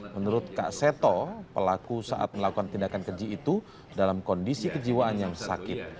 menurut kak seto pelaku saat melakukan tindakan keji itu dalam kondisi kejiwaan yang sakit